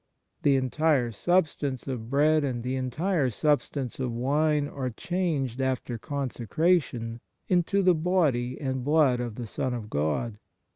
The entire substance of bread and the entire substance of wine are changed after consecration into the Body and Blood of the Son of God.